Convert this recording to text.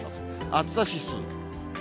暑さ指数。